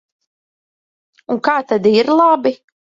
Un kā tad ir labi?